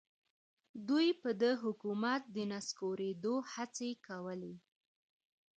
دوی به د حکومت د نسکورېدو هڅې کولې.